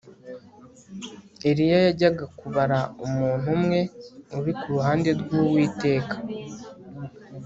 Eliya yajyaga kubara umuntu umwe uri ku ruhande rwUwiteka